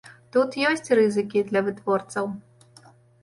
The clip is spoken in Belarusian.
Тут ёсць рызыкі для вытворцаў.